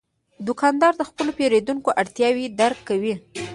دوکاندار د خپلو پیرودونکو اړتیاوې درک کوي.